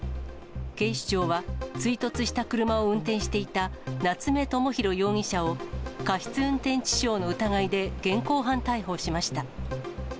警視庁は、追突した車を運転していた夏目智弘容疑者を過失運転致傷の疑いで現行犯逮捕しました。